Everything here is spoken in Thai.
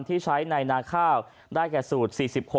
ที่ใช้ในนาข้าวได้แก่สูตร๔๖